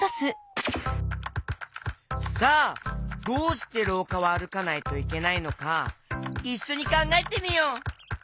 さあどうしてろうかはあるかないといけないのかいっしょにかんがえてみよう！